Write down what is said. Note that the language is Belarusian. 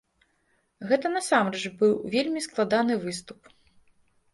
Гэта насамрэч быў вельмі складаны выступ.